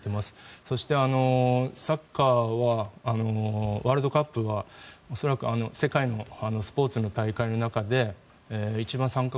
そして、サッカーはワールドカップは恐らく世界のスポーツの大会の中で一番参加